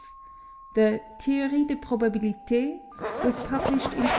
The 'Théorie des Probabilités' was published in 1812.